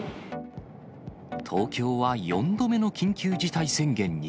東京は４度目の緊急事態宣言に。